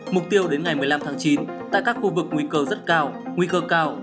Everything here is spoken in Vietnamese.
mục tiêu đến ngày một mươi năm tháng chín tại các khu vực nguy cơ rất cao nguy cơ cao